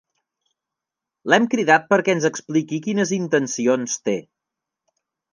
L'hem cridat perquè ens expliqui quines intencions té.